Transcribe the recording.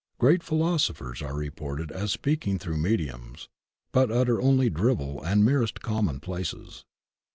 Great philosophers are reported as speaking through mediums, but utter only drivel and merest commonplaces.